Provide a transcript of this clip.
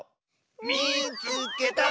「みいつけた！」。